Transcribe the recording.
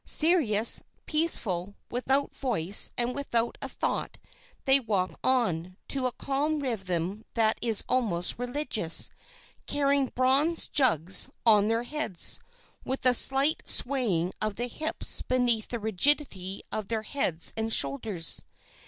Serious, peaceful, without voice and without a thought, they walk on, to a calm rhythm that is almost religious, carrying bronze jugs on their heads, with a slight swaying of the hips beneath the rigidity of their heads and shoulders.